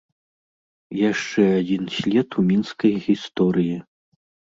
Яшчэ адзін след у мінскай гісторыі.